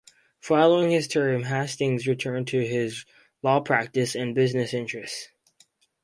Following his term, Hastings returned to his law practice and business interests.